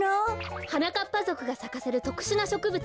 はなかっぱぞくがさかせるとくしゅなしょくぶつ。